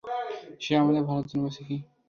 সে আমাদের ভালোর জন্য বলছে - কি?